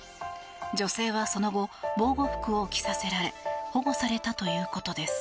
女性はその後防護服を着させられ保護されたということです。